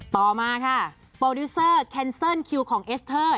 ต่อมาค่ะโปรดิวเซอร์แคนเซิลคิวของเอสเตอร์